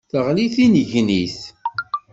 Teɣli d tinnegnit.